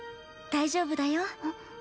大丈夫だよ。？